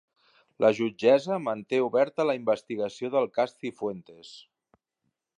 La jutgessa manté oberta la investigació del cas Cifuentes.